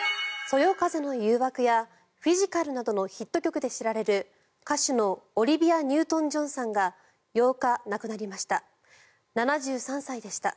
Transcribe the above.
「そよ風の誘惑」や「フィジカル」などのヒット曲で知られる歌手のオリビア・ニュートン・ジョンさんが８日、亡くなりました。